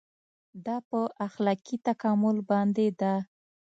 دا په اخلاقي تکامل باندې ده.